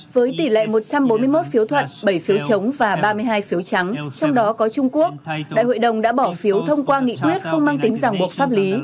với tỷ lệ một trăm bốn mươi một phiếu thuận bảy phiếu chống và ba mươi hai phiếu trắng trong đó có trung quốc đại hội đồng đã bỏ phiếu thông qua nghị quyết không mang tính giảng buộc pháp lý